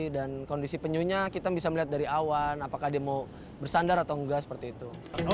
dan kondisi penyunya kita bisa melihat dari awan apakah dia mau bersandar atau enggak seperti itu